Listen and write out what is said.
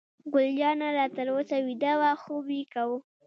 ګل جانه لا تر اوسه ویده وه، خوب یې کاوه.